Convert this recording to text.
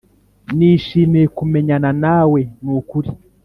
nishimiye kumenyana nawe nukuri